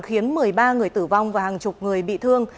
khiến một mươi ba người tử vong và hàng chục người bị thương